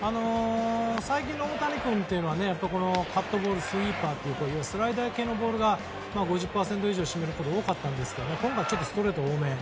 最近の大谷君はカットボールスイーパーといったスライダー系のボールが５０％以上占めることが多かったですが今回、ちょっとストレート多め。